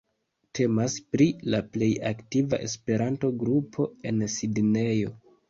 Temas pri la plej aktiva Esperanto-grupo en Sidnejo.